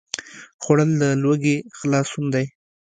خوړل له لوږې خلاصون دی